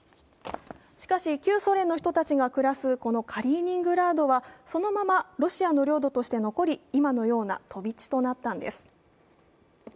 しかし、旧ソ連の人たちが暮らすこのカリーニングラードはそのままロシアの領土として残り今のような飛び地となったんです。